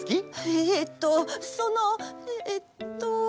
えとそのえっと。